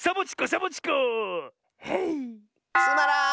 つまらん！